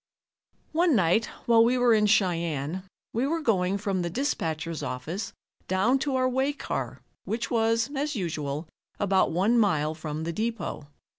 One night while we were in Cheyenne we were going from the dispatcher's office down to our way car, which was, as usual, about one mile from the depot.